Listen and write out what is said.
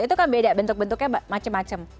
itu kan beda bentuk bentuknya macam macam